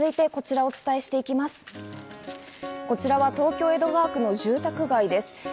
こちらは東京・江戸川区の住宅街です。